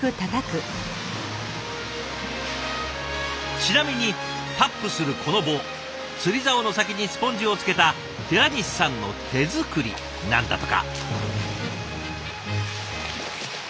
ちなみにタップするこの棒釣りざおの先にスポンジをつけた寺西さんの手作りなんだとか。